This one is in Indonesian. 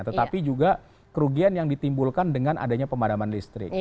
tetapi juga kerugian yang ditimbulkan dengan adanya pemadaman listrik